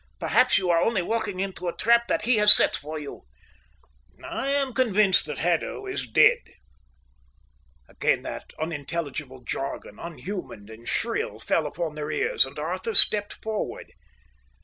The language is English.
Perhaps you are only walking into a trap that he has set for you." "I am convinced that Haddo is dead." Again that unintelligible jargon, unhuman and shrill, fell upon their ears, and Arthur stepped forward.